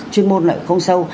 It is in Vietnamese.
chuyên môn lại không sâu